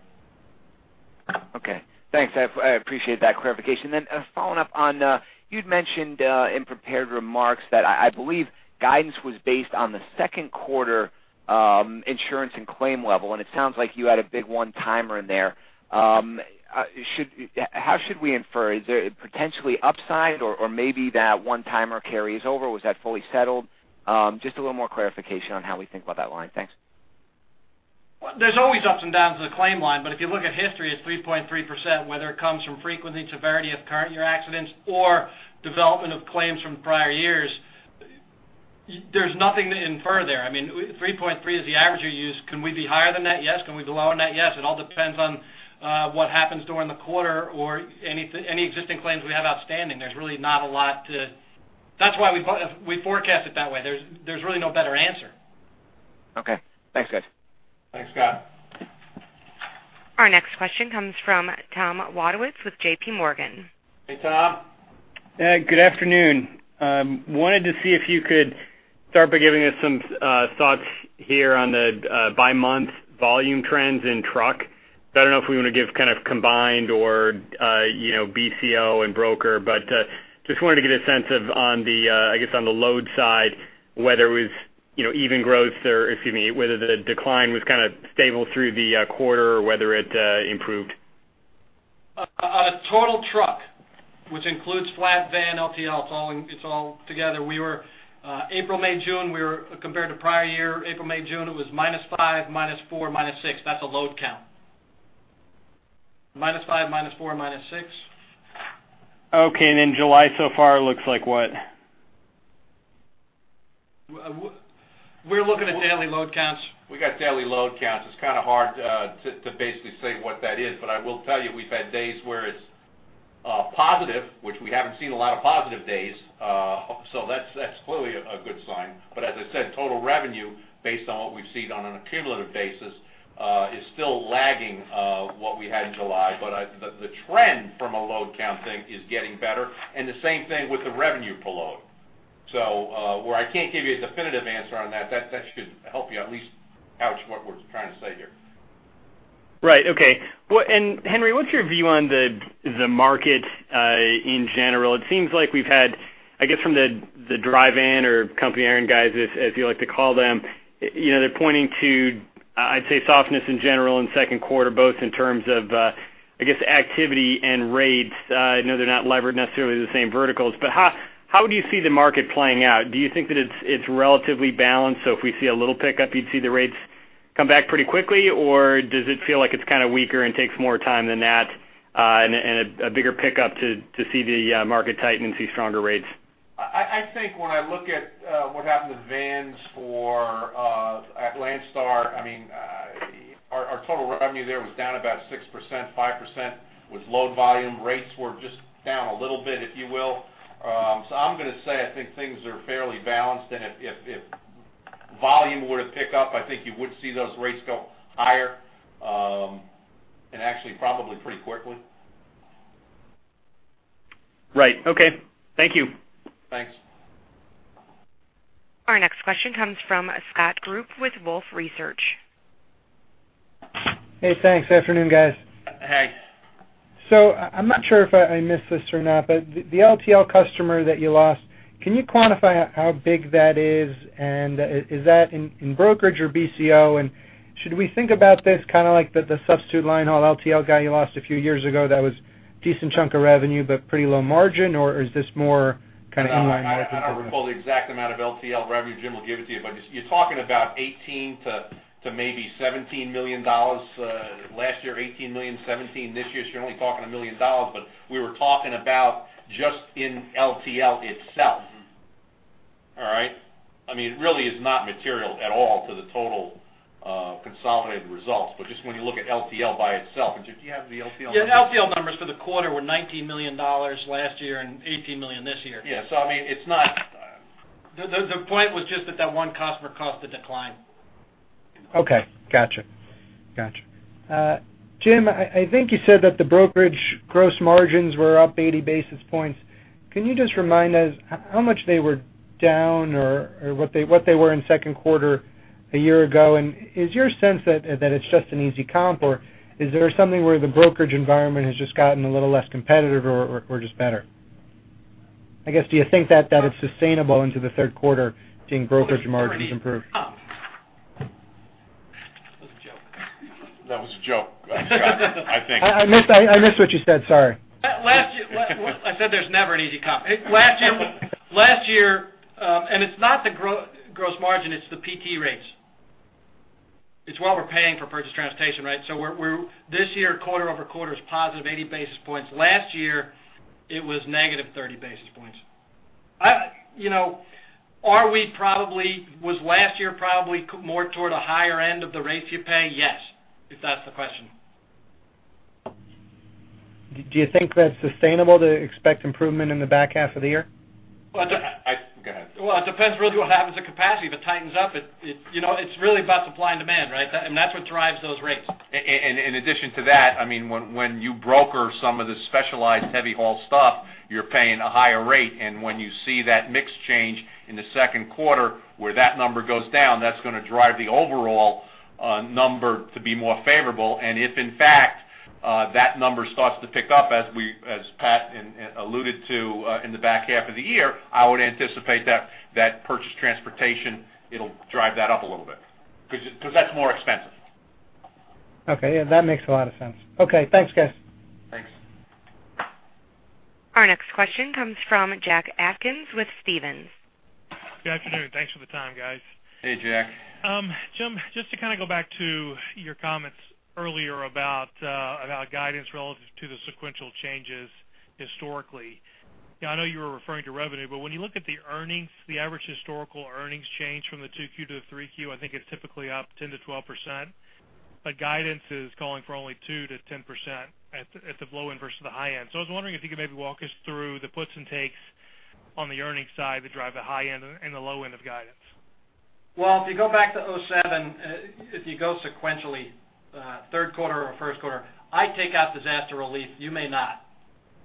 Okay, thanks. I appreciate that clarification. Then, following up on, you'd mentioned in prepared remarks that I believe guidance was based on the second quarter insurance and claim level, and it sounds like you had a big one-timer in there. Should, how should we infer? Is there potentially upside or maybe that one-timer carries over? Was that fully settled? Just a little more clarification on how we think about that line. Thanks. Well, there's always ups and downs in the claim line, but if you look at history, it's 3.3%, whether it comes from frequency, severity of current year accidents, or development of claims from prior years, there's nothing to infer there. I mean, 3.3% is the average you use. Can we be higher than that? Yes. Can we be lower than that? Yes. It all depends on what happens during the quarter or any existing claims we have outstanding. There's really not a lot. That's why we forecast it that way. There's really no better answer. Okay. Thanks, guys. Thanks, Scott. Our next question comes from Tom Wadewitz with JPMorgan. Hey, Tom. Good afternoon. Wanted to see if you could start by giving us some thoughts here on the by-month volume trends in truck. So I don't know if we want to give kind of combined or, you know, BCO and broker, but just wanted to get a sense of on the, I guess, on the load side, whether it was, you know, even growth or, excuse me, whether the decline was kind of stable through the quarter or whether it improved. Total truck, which includes flat van, LTL, it's all together. April, May, June, we were compared to prior year April, May, June, it was -5%, -4%, -6%. That's a load count. -5%, -4%, -6%. Okay, and then July so far looks like what? We're looking at daily load counts. We got daily load counts. It's kind of hard to basically say what that is, but I will tell you, we've had days where it's positive, which we haven't seen a lot of positive days. So that's clearly a good sign. But as I said, total revenue, based on what we've seen on an accumulative basis, is still lagging what we had in July. But the trend from a load count thing is getting better, and the same thing with the revenue per load. So where I can't give you a definitive answer on that, that should help you at least couch what we're trying to say here. Right. Okay. Well, and Henry, what's your view on the market in general? It seems like we've had, I guess, from the dry van or company-owned guys, as you like to call them, you know, they're pointing to, I'd say, softness in general in second quarter, both in terms of, I guess, activity and rates. I know they're not levered necessarily the same verticals, but how do you see the market playing out? Do you think that it's relatively balanced, so if we see a little pickup, you'd see the rates come back pretty quickly, or does it feel like it's kind of weaker and takes more time than that, and a bigger pickup to see the market tighten and see stronger rates? I think when I look at what happened with vans for at Landstar, I mean, our total revenue there was down about 6%, 5%, with load volume. Rates were just down a little bit, if you will. So I'm going to say I think things are fairly balanced, and if volume were to pick up, I think you would see those rates go higher, and actually probably pretty quickly. Right. Okay. Thank you. Thanks. Our next question comes from Scott Group with Wolfe Research. Hey, thanks. Afternoon, guys. Hey. So I'm not sure if I missed this or not, but the LTL customer that you lost, can you quantify how big that is, and is that in brokerage or BCO? And should we think about this kind of like the substitute line haul LTL guy you lost a few years ago that was decent chunk of revenue, but pretty low margin, or is this more kind of in line margin? I don't recall the exact amount of LTL revenue. Jim will give it to you, but you're talking about $18 million-$17 million last year, $18 million, $17 this year. So you're only talking $1 million, but we were talking about just in LTL itself. All right? I mean, it really is not material at all to the total consolidated results, but just when you look at LTL by itself, and do you have the LTL. Yeah, LTL numbers for the quarter were $19 million last year and $18 million this year. Yeah, so I mean, it's not. The point was just that that one customer caused the decline. Okay, gotcha. Gotcha. Jim, I think you said that the brokerage gross margins were up 80 basis points. Can you just remind us how much they were down or what they were in second quarter a year ago? And is your sense that it's just an easy comp, or is there something where the brokerage environment has just gotten a little less competitive or just better? I guess, do you think that it's sustainable into the third quarter, seeing brokerage margins improve? It was a joke. That was a joke, Scott, I think. I missed what you said, sorry. Last year. I said there's never an easy comp. Last year, last year, and it's not the gross margin, it's the PT rates. It's what we're paying for purchase transportation, right? So we're, we're, this year, quarter-over-quarter is +80 basis points. Last year, it was -30 basis points. I, you know, are we probably, was last year probably more toward a higher end of the rates you pay? Yes, if that's the question. Do you think that's sustainable to expect improvement in the back half of the year? Well, go ahead. Well, it depends really what happens to capacity. If it tightens up, it, it. You know, it's really about supply and demand, right? And that's what drives those rates. In addition to that, I mean, when you broker some of the specialized heavy haul stuff, you're paying a higher rate. And when you see that mix change in the second quarter, where that number goes down, that's going to drive the overall number to be more favorable. And if, in fact, that number starts to pick up, as Pat alluded to, in the back half of the year, I would anticipate that purchase transportation, it'll drive that up a little bit, 'cause that's more expensive. Okay. Yeah, that makes a lot of sense. Okay, thanks, guys. Our next question comes from Jack Atkins with Stephens. Good afternoon. Thanks for the time, guys. Hey, Jack. Jim, just to kind of go back to your comments earlier about guidance relative to the sequential changes historically. I know you were referring to revenue, but when you look at the earnings, the average historical earnings change from the 2Q to the 3Q, I think it's typically up 10%-12%, but guidance is calling for only 2%-10% at the low end versus the high end. So I was wondering if you could maybe walk us through the puts and takes on the earnings side that drive the high end and the low end of guidance. Well, if you go back to 2007, if you go sequentially, third quarter or first quarter, I take out disaster relief. You may not,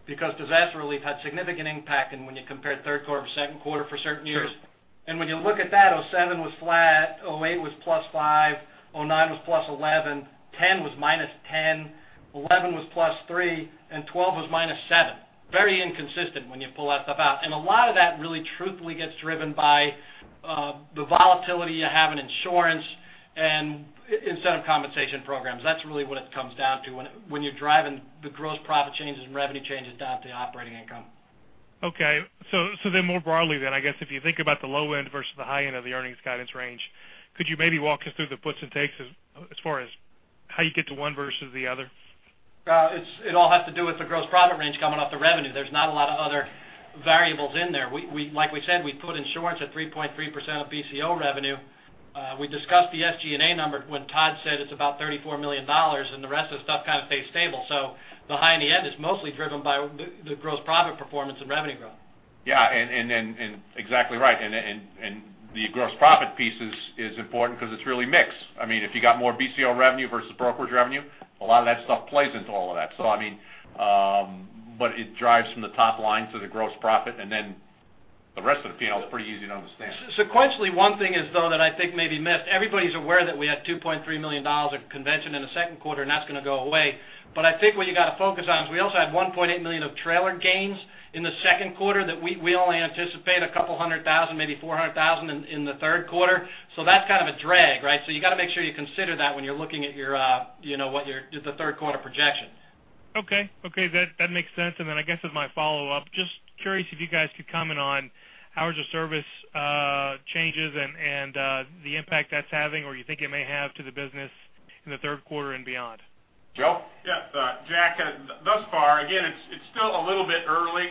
because disaster relief had significant impact in when you compared third quarter to second quarter for certain years. Sure. When you look at that, 2007 was flat, 2008 was +5, 2009 was +11, 2010 was -10, 2011 was +3, and 2012 was -7. Very inconsistent when you pull that stuff out. A lot of that really truthfully gets driven by the volatility you have in insurance and incentive compensation programs. That's really what it comes down to when you're driving the gross profit changes and revenue changes down to the operating income. Okay. So then more broadly, I guess if you think about the low end versus the high end of the earnings guidance range, could you maybe walk us through the puts and takes as far as how you get to one versus the other? It all has to do with the gross profit range coming off the revenue. There's not a lot of other variables in there. Like we said, we put insurance at 3.3% of BCO revenue. We discussed the SG&A number when Todd said it's about $34 million, and the rest of the stuff kind of stays stable. So the high-end is mostly driven by the gross profit performance and revenue growth. Yeah, exactly right. The gross profit piece is important because it's really mixed. I mean, if you got more BCO revenue versus brokerage revenue, a lot of that stuff plays into all of that. So, I mean, but it drives from the top line to the gross profit, and then the rest of the P&L is pretty easy to understand. Sequentially, one thing is, though, that I think may be missed. Everybody's aware that we had $2.3 million of convention in the second quarter, and that's going to go away. But I think what you got to focus on is we also had $1.8 million of trailer gains in the second quarter that we only anticipate a couple hundred thousand, maybe $400,000 in the third quarter. So that's kind of a drag, right? So you got to make sure you consider that when you're looking at your, you know, what your the third quarter projection. Okay. Okay, that makes sense. Then I guess with my follow-up, just curious if you guys could comment on hours of service changes and the impact that's having, or you think it may have to the business in the third quarter and beyond. Joe? Yeah, Jack, thus far, again, it's still a little bit early.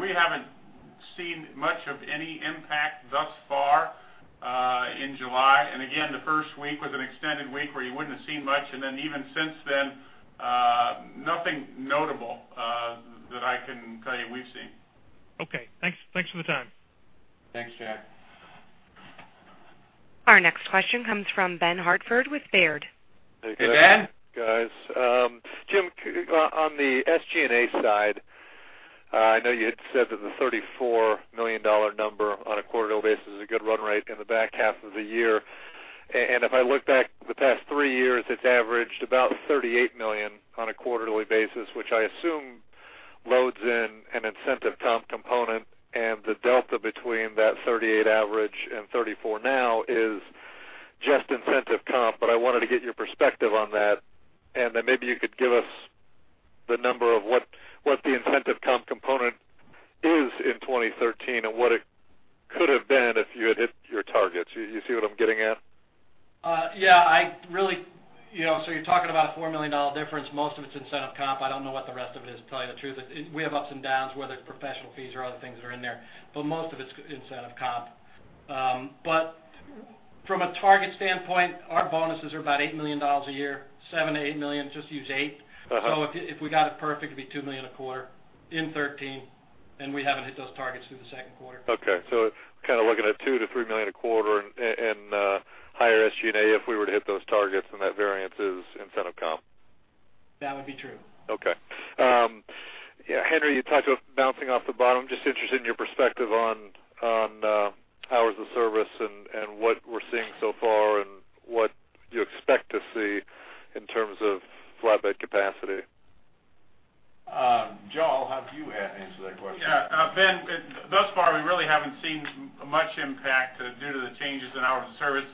We haven't seen much of any impact thus far, in July. And again, the first week was an extended week where you wouldn't have seen much. And then even since then, nothing notable that I can tell you we've seen. Okay, thanks. Thanks for the time. Thanks, Jack. Our next question comes from Ben Hartford with Baird. Hey, Ben. Guys, Jim, on the SG&A side, I know you had said that the $34 million number on a quarterly basis is a good run rate in the back half of the year. And if I look back the past three years, it's averaged about $38 million on a quarterly basis, which I assume loads in an incentive comp component, and the delta between that $38 million average and $34 million now is just incentive comp. But I wanted to get your perspective on that, and then maybe you could give us the number of what, what the incentive comp component is in 2013, and what it could have been if you had hit your targets. You see what I'm getting at? Yeah, I really, you know, so you're talking about a $4 million difference. Most of it's incentive comp. I don't know what the rest of it is, to tell you the truth. It, we have ups and downs, whether it's professional fees or other things that are in there, but most of it's incentive comp. But from a target standpoint, our bonuses are about $8 million a year, $7 million-$8 million, just use eight. Uh-huh. So if we got it perfect, it'd be $2 million a quarter in 2013, and we haven't hit those targets through the second quarter. Okay, so kind of looking at $2 million-$3 million a quarter and higher SG&A, if we were to hit those targets, and that variance is incentive comp. That would be true. Okay. Yeah, Henry, you talked about bouncing off the bottom. Just interested in your perspective on hours of service and what we're seeing so far and what you expect to see in terms of flatbed capacity. Joe, how do you answer that question? Yeah, Ben, thus far, we really haven't seen much impact due to the changes in hours of service.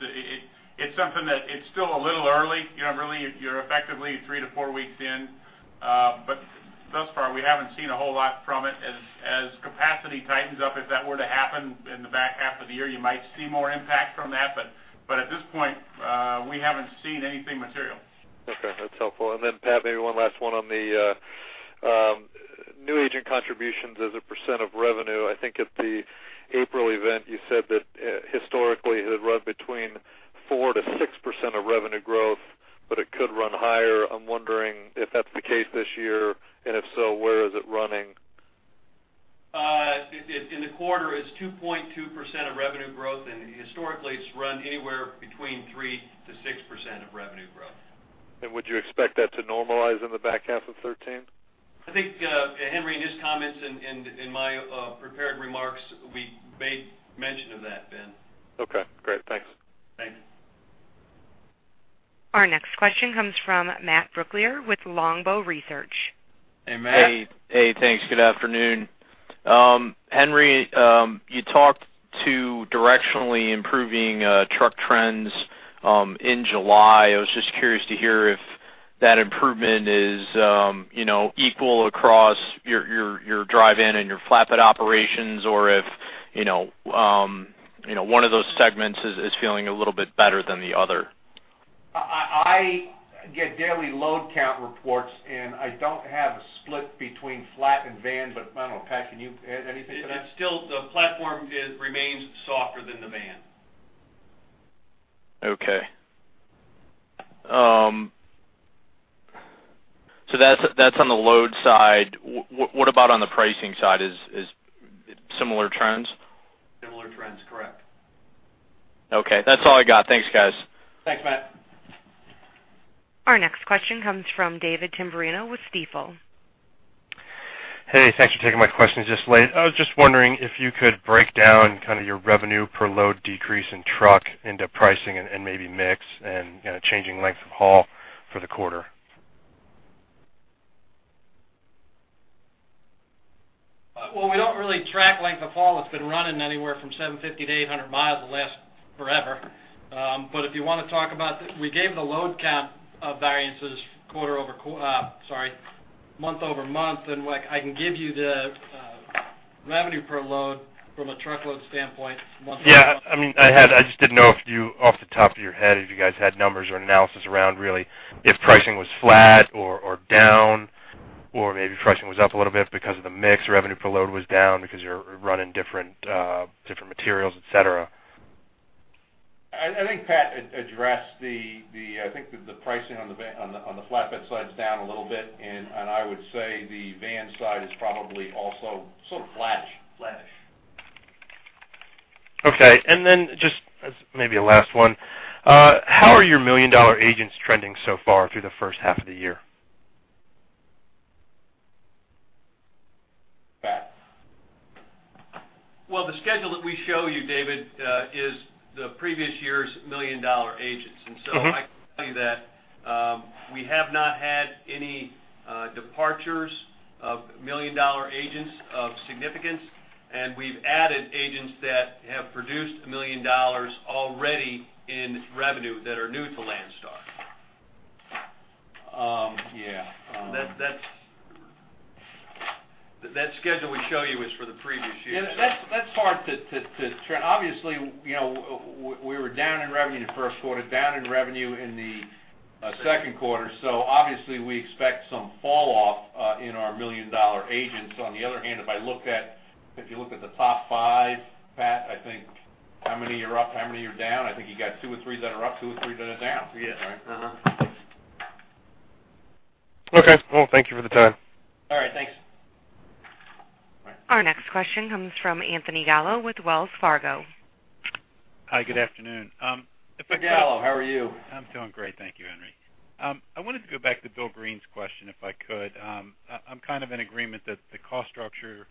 It's something that it's still a little early. You know, really, you're effectively three to four weeks in. But thus far, we haven't seen a whole lot from it. As capacity tightens up, if that were to happen in the back half of the year, you might see more impact from that. But at this point, we haven't seen anything material. Okay, that's helpful. And then, Pat, maybe one last one on the new agent contributions as a percent of revenue. I think at the April event, you said that historically, it had run between 4%-6% of revenue growth, but it could run higher. I'm wondering if that's the case this year, and if so, where is it running? In the quarter, it's 2.2% of revenue growth, and historically, it's run anywhere between 3%-6% of revenue growth. Would you expect that to normalize in the back half of 2013? I think, Henry, in his comments and in my prepared remarks, we made mention of that, Ben. Okay, great. Thanks. Thanks. Our next question comes from Matt Brooklier with Longbow Research. Hey, Matt. Hey. Hey, thanks. Good afternoon. Henry, you talked to directionally improving truck trends in July. I was just curious to hear if that improvement is, you know, equal across your dry van and your flatbed operations, or if, you know, one of those segments is feeling a little bit better than the other? I get daily load count reports, and I don't have a split between flat and van, but I don't know, Pat, can you add anything to that? It's still the platform remains softer than the van. Okay. So that's on the load side. What about on the pricing side, is similar trends? Similar trends, correct. Okay, that's all I got. Thanks, guys. Thanks, Matt. Our next question comes from David Tamberrino with Stifel. Hey, thanks for taking my question this late. I was just wondering if you could break down kind of your revenue per load decrease in truck into pricing and, and maybe mix and, you know, changing length of haul for the quarter. Well, we don't really track length of haul. It's been running anywhere from 750-800 miles the last forever. But if you want to talk about the. We gave the load count of variances month-over-month, and, like, I can give you the revenue per load from a truckload standpoint month-over-month. Yeah, I mean, I had, I just didn't know if you, off the top of your head, if you guys had numbers or analysis around really, if pricing was flat or, or down, or maybe pricing was up a little bit because of the mix, revenue per load was down because you're running different, different materials, et cetera. I think Pat addressed the pricing on the van, on the flatbed side, is down a little bit, and I would say the van side is probably also sort of flattish. Flattish. Okay, and then just as maybe a last one, how are your Million Dollar Agents trending so far through the first half of the year? Pat? Well, the schedule that we show you, David, is the previous year's Million Dollar Agents agents. Mm-hmm. I can tell you that we have not had any departures of Million Dollar Agents of significance, and we've added agents that have produced $1 million already in revenue that are new to Landstar. Yeah. That schedule we show you is for the previous year. Yeah, that's hard to track. Obviously, you know, we were down in revenue in the first quarter, down in revenue in the second quarter, so obviously, we expect some falloff in our Million Dollar Agents. On the other hand, if I look at, if you look at the top five, Pat, I think how many are up, how many are down? I think you got two or three that are up, two or three that are down. Yeah. Uh-huh. Okay. Well, thank you for the time. All right, thanks. Our next question comes from Anthony Gallo with Wells Fargo. Hi, good afternoon. Hi, Gallo, how are you? I'm doing great. Thank you, Henry. I wanted to go back to Bill Greene's question, if I could. I'm kind of in agreement that the cost structure,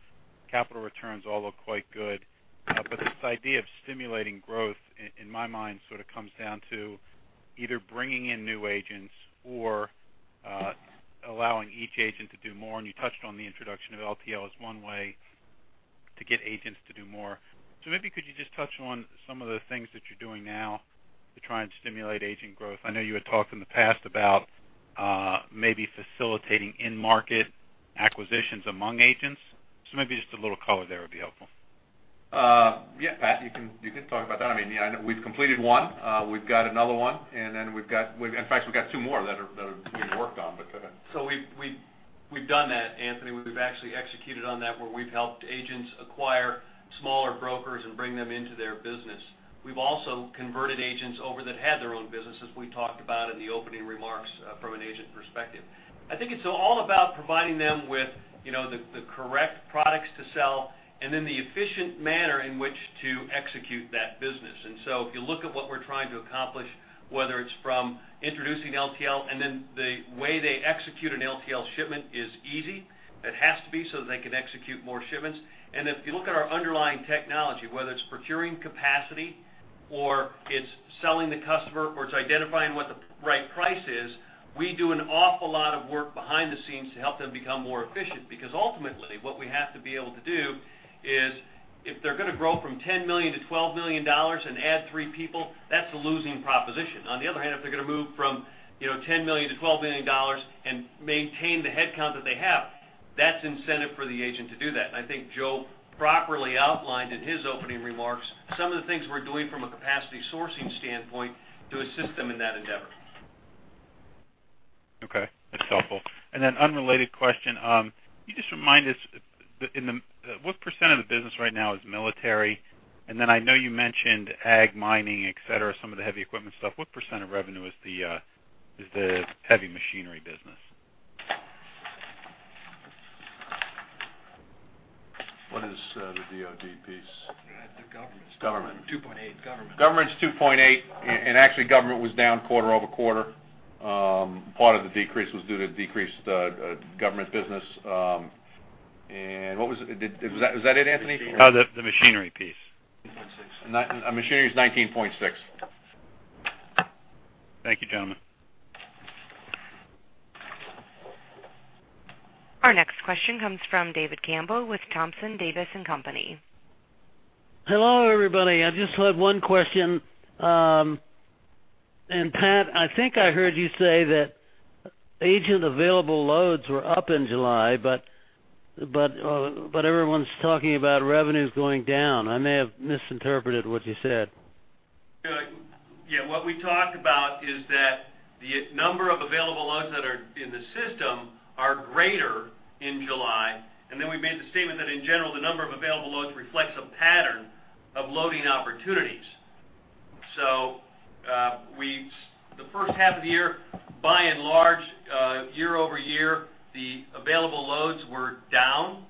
capital returns, all look quite good. But this idea of stimulating growth in, in my mind, sort of comes down to either bringing in new agents or, allowing each agent to do more, and you touched on the introduction of LTL as one way to get agents to do more. So maybe could you just touch on some of the things that you're doing now to try and stimulate agent growth? I know you had talked in the past about, maybe facilitating end market acquisitions among agents, so maybe just a little color there would be helpful. Yeah, Pat, you can, you can talk about that. I mean, yeah, I know we've completed one, we've got another one, and then we've got, we've, in fact, we've got two more that are, that are being worked on, but. So we've done that, Anthony. We've actually executed on that, where we've helped agents acquire smaller brokers and bring them into their business. We've also converted agents over that had their own businesses, we talked about in the opening remarks, from an agent perspective. I think it's all about providing them with, you know, the correct products to sell and then the efficient manner in which to execute that business. And so if you look at what we're trying to accomplish, whether it's from introducing LTL, and then the way they execute an LTL shipment is easy. It has to be so that they can execute more shipments. And if you look at our underlying technology, whether it's procuring capacity or it's selling the customer or it's identifying what the right price is, we do an awful lot of work behind the scenes to help them become more efficient. Because ultimately, what we have to be able to do is, if they're going to grow from $10 million to $12 million and add three people, that's a losing proposition. On the other hand, if they're going to move from, you know, $10 million to $12 million and maintain the headcount that they have, that's incentive for the agent to do that. And I think Joe properly outlined in his opening remarks some of the things we're doing from a capacity sourcing standpoint to assist them in that endeavor. Okay, that's helpful. And then, unrelated question, can you just remind us what percent of the business right now is military? And then, I know you mentioned ag, mining, et cetera, some of the heavy equipment stuff. What percent of revenue is the heavy machinery business? What is the DoD piece? The government. Government. 2.8% government. Government is 2.8% and actually, government was down quarter-over-quarter. Part of the decrease was due to decreased government business. And what was it? Was that it, Anthony? The machinery piece. 19.6%. Machinery is 19.6%. Thank you, gentlemen. Our next question comes from David Campbell with Thompson Davis & Co. Hello, everybody. I just have one question. And Pat, I think I heard you say that agent available loads were up in July, but everyone's talking about revenues going down. I may have misinterpreted what you said. Yeah, what we talked about is that the number of available loads that are in the system are greater in July, and then we made the statement that, in general, the number of available loads reflects a pattern of loading opportunities. So, the first half of the year, by and large, year-over-year, the available loads were down,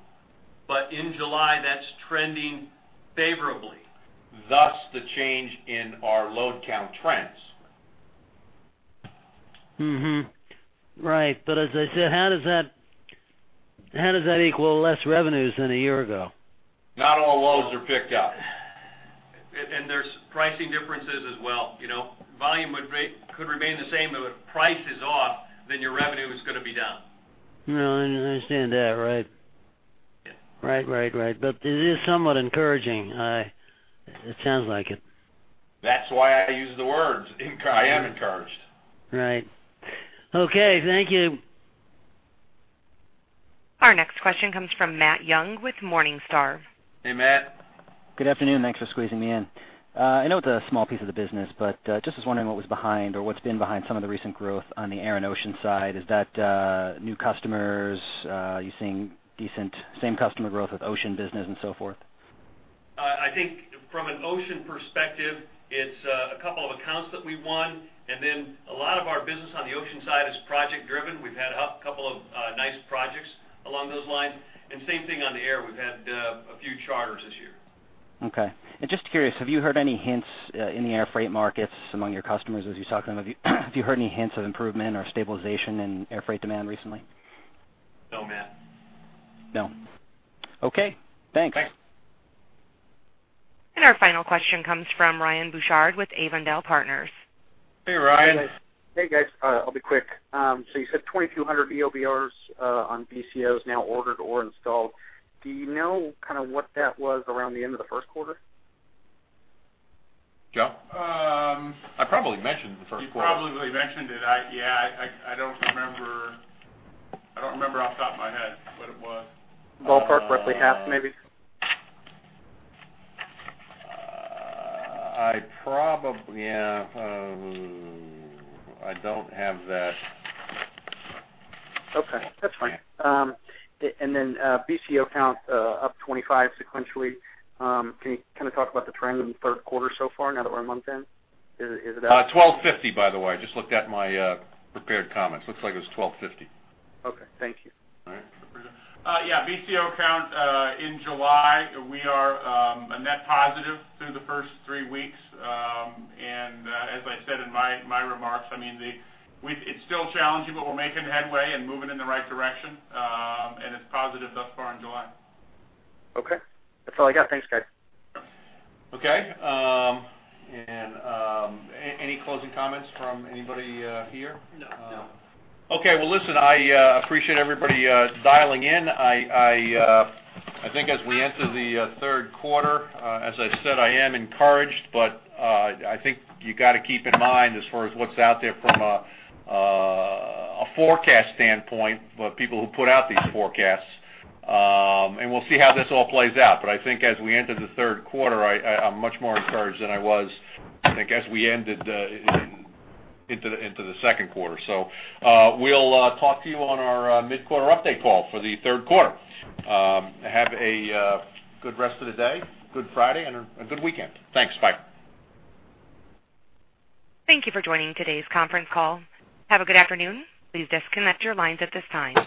but in July, that's trending favorably, thus the change in our load count trends. Mm-hmm. Right. But as I said, how does that, how does that equal less revenues than a year ago? Not all loads are picked up. There's pricing differences as well, you know. Volume could remain the same, but if price is off, then your revenue is going to be down. No, I understand that, right. Right, right, right. But it is somewhat encouraging. It sounds like it. That's why I use the words encouraged. I am encouraged. Right. Okay, thank you. Our next question comes from Matt Young, with Morningstar. Hey, Matt. Good afternoon. Thanks for squeezing me in. I know it's a small piece of the business, but just was wondering what was behind or what's been behind some of the recent growth on the air and ocean side. Is that new customers? Are you seeing decent same customer growth with ocean business and so forth? I think from an ocean perspective, it's a couple of accounts that we won, and then a lot of our business on the ocean side is project driven. We've had a couple of nice projects along those lines, and same thing on the air. We've had a few charters this year. Okay. And just curious, have you heard any hints in the air freight markets among your customers as you talk to them? Have you heard any hints of improvement or stabilization in air freight demand recently? No, Matt. No. Okay, thanks. Thanks. Our final question comes from Ryan Bouchard with Avondale Partners. Hey, Ryan. Hey, guys. I'll be quick. So you said 2,200 EOBRs on BCOs now ordered or installed. Do you know kind of what that was around the end of the first quarter? Joe? Um. I probably mentioned the first quarter. You probably mentioned it. Yeah, I don't remember off the top of my head what it was. Ballpark, roughly half, maybe? I probably don't have that. Okay, that's fine. And then, BCO count up 25% sequentially. Can you kind of talk about the trend in the third quarter so far now that we're a month in? 1,250, by the way. I just looked at my prepared comments. Looks like it was 1,250. Okay, thank you. All right. Yeah, BCO count in July, we are a net positive through the first three weeks. And as I said in my remarks, I mean, it's still challenging, but we're making headway and moving in the right direction. And it's positive thus far in July. Okay. That's all I got. Thanks, guys. Okay. And any closing comments from anybody here? No. Okay. Well, listen, I appreciate everybody dialing in. I think as we enter the third quarter, as I said, I am encouraged, but I think you got to keep in mind as far as what's out there from a forecast standpoint, for people who put out these forecasts, and we'll see how this all plays out. But I think as we enter the third quarter, I'm much more encouraged than I was, I guess, we ended into the second quarter. So, we'll talk to you on our mid-quarter update call for the third quarter. Have a good rest of the day, good Friday, and a good weekend. Thanks. Bye. Thank you for joining today's conference call. Have a good afternoon. Please disconnect your lines at this time.